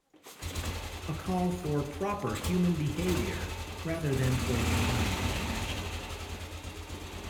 A call for proper human behaviour, rather than for divine intervention.